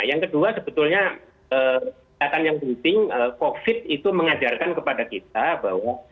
yang kedua sebetulnya catatan yang penting covid itu mengajarkan kepada kita bahwa